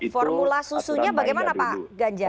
formula susunya bagaimana pak ganjar